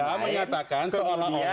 tapi anda menyatakan soalnya orang